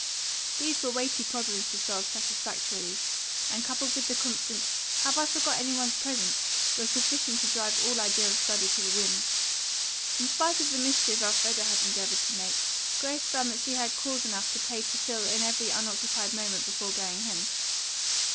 These were weighty problems to solve satisfactorily, and coupled with the constant, "Have I forgotten any one's present?" were sufficient to drive all idea of study to the winds. In spite of the mischief Elfreda had endeavored to make, Grace found that she had calls enough to pay to fill in every unoccupied moment before going home.